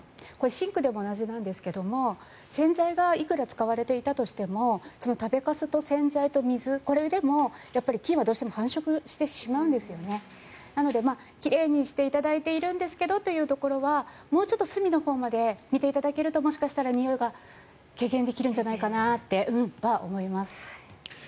シンクでも同じなんですが洗剤がいくら使われていても食べかすと洗剤と水これでも菌は繁殖するので奇麗にしていただいているんですけどというところはもう少し隅のほうまで見ていただけるともしかしたら軽減できるんじゃないかなと思います。